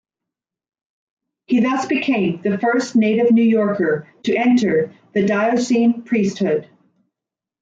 He thus became the first native New Yorker to enter the diocesan priesthood.